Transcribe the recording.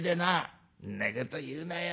「んなこと言うなよ。